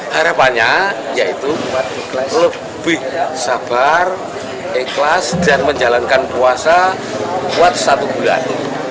harapannya yaitu lebih sabar ikhlas dan menjalankan puasa buat satu bulan